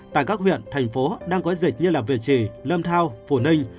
tại các huyện thành phố đang có dịch như việt trì lâm thao phủ ninh